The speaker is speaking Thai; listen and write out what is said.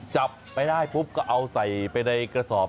จับไปได้ปุ๊บก็เอาใส่ไปในกระสอบ